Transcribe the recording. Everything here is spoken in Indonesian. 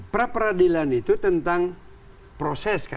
pra peradilan itu tentang proses